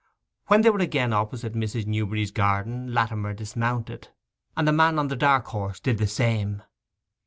When they were again opposite Mrs. Newberry's garden, Latimer dismounted, and the man on the dark horse did the same.